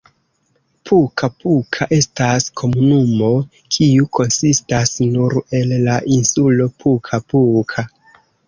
Puka-Puka estas komunumo kiu konsistas nur el la insulo Puka-Puka.